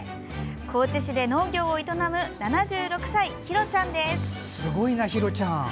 高知市で農業を営む７６歳、ひろちゃんです。